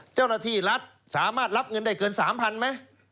เจ้าหน้าที่รัฐสามารถรับเงินได้เกิน๓๐๐๐ไหม